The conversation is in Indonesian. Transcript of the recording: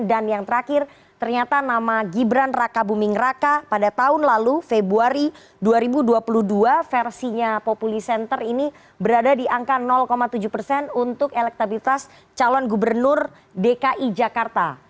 dan yang terakhir ternyata nama gibran raka buming raka pada tahun lalu februari dua ribu dua puluh dua versinya populi center ini berada di angka tujuh persen untuk elektabilitas calon gubernur dki jakarta